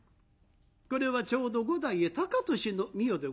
これはちょうど五代高敏の御代でございますが。